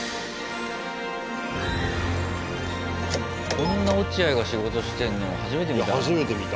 こんな落合が仕事してんの初めて見た。